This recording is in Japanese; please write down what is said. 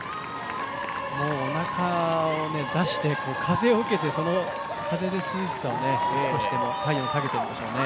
おなかを出して、風を受けてその風で涼しさを体温を下げてるんでしょうね。